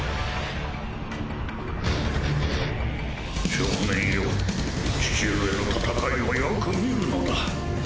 少年よ父上の戦いをよく見るのだ。